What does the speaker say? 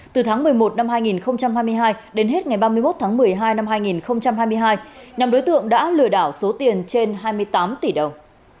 từ tháng một mươi một năm hai nghìn hai mươi hai đến hết ngày ba mươi một tháng một mươi hai năm hai nghìn hai mươi hai nhóm đối tượng đã lừa đảo số tiền trên hai mươi tám tỷ đồng